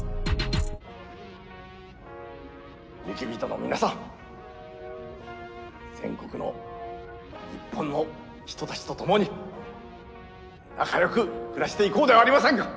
雪人の皆さん全国の日本の人たちと共に仲よく暮らしていこうではありませんか。